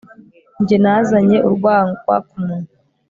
nge nazanye urwagwa ku munwa